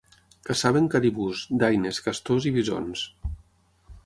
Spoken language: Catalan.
Caçaven caribús, daines, castors i bisons.